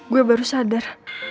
gue baru sadar